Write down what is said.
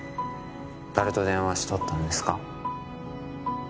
誰と電話しとったんですか？